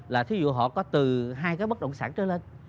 là thí dụ họ có từ hai cái bất động sản trở lên